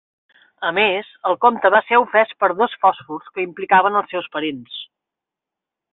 A més, el comte va ser ofès per dos fòsfors que implicaven als seus parents.